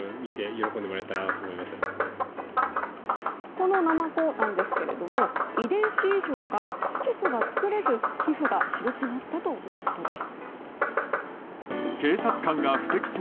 このナマコなんですが遺伝子異常か色素が作れず、皮膚が白くなったということです。